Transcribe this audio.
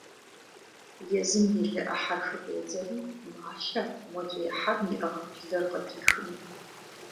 Езым и лы Ӏыхьэр хыфӀедзэри, малъэ, модрей хьэм иӀыгъ лыр къытрихыну.